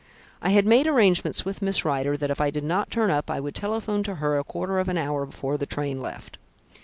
I had made arrangements with Miss Rider that if I did not turn up I would telephone to her a quarter of an hour before the train left.